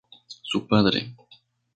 Su padre.